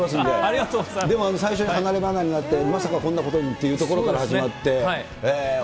でも最初に離れ離れになって、まさかこんなことにっていうところから始まって。